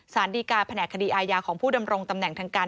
สารดีการแผนกคดีอาญาของผู้ดำรงตำแหน่งทางการ